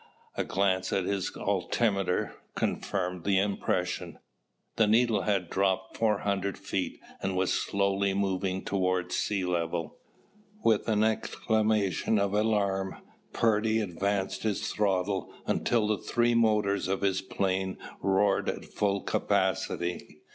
A glance at his altimeter confirmed the impression. The needle had dropped four hundred feet and was slowly moving toward sea level. With an exclamation of alarm, Purdy advanced his throttle until the three motors of his plane roared at full capacity.